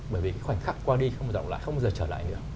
bởi vì cái khoảnh khắc qua đi không một rộng lại không bao giờ trở lại nữa